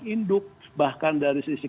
induk bahkan dari sisi